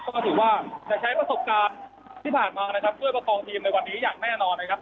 ก็ถือว่าจะใช้ประสบการณ์ที่ผ่านมานะครับช่วยประคองทีมในวันนี้อย่างแน่นอนนะครับ